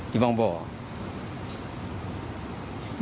อยู่บ้างบ่า